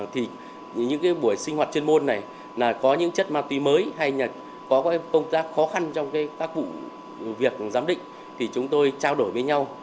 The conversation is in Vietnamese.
thì những buổi sinh hoạt chuyên môn này là có những chất ma túy mới hay là có công tác khó khăn trong các vụ việc giám định thì chúng tôi trao đổi với nhau